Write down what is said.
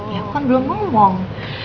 ya kan belum ngomong